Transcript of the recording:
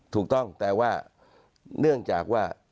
ถูกต้องแต่ว่าเนื่องจากว่า